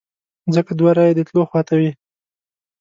ځکه دوه رایې د تلو خواته وې.